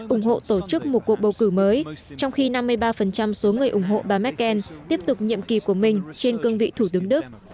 ủng hộ tổ chức một cuộc bầu cử mới trong khi năm mươi ba số người ủng hộ bà merkel tiếp tục nhiệm kỳ của mình trên cương vị thủ tướng đức